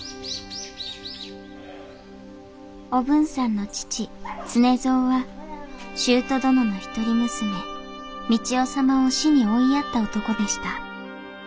おぶんさんの父常蔵は舅殿の一人娘三千代様を死に追いやった男でした。